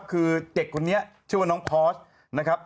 คือเด็กคนนี้ชื่อว่าน้องพอสนะครับ